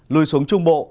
lưu xuống trung bộ